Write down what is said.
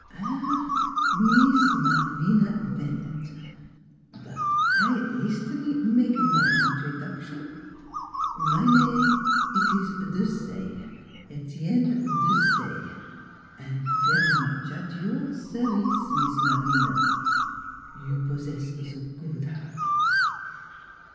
"Ah Mees Malvina Bennett; but I hastily make my introduction, my name eet ees Desaye Ettienne Desaye and very much at your service, Mees Malvina. You possess ze good heart."